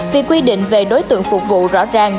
việc quy định về đối tượng phục vụ rõ ràng